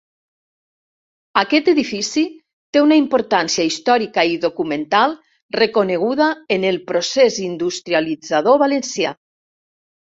Aquest edifici té una importància històrica i documental reconeguda en el procés industrialitzador valencià.